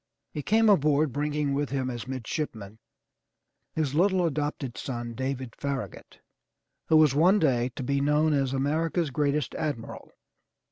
He came aboard bringing with him as midshipman his little adopted son, David Farragut, who was one day to be known as America's greatest admiral.